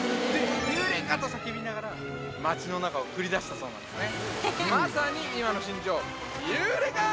「ユーレカ」と叫びながら街の中を繰り出したそうなんですね